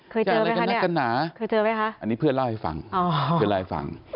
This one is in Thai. เคยเจอไหมคะอันนี้เพื่อนเล่าให้ฟัง